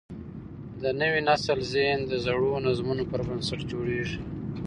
د نوي نسل ذهن د زړو نظمونو پر بنسټ جوړېږي.